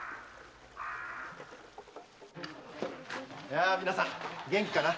やあみなさん元気かな？